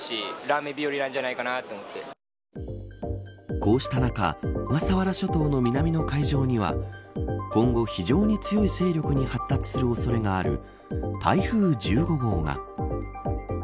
こうした中小笠原諸島の南の海上には今後、非常に強い勢力に発達する恐れがある台風１５号が。